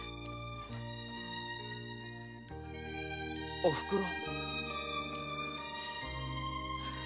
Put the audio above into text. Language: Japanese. おふくろ？